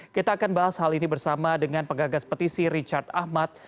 kita akan bahas hal ini bersama dengan pengagas petisi richard ahmad